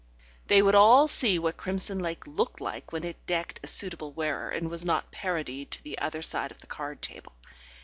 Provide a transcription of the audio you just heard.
They would all see what crimson lake looked like when it decked a suitable wearer and was not parodied on the other side of a card table.